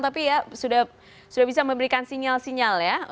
tapi ya sudah bisa memberikan sinyal sinyal ya